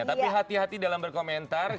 tetapi hatinya dalam berkomentarnya